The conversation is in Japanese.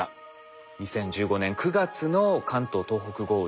２０１５年９月の関東・東北豪雨です。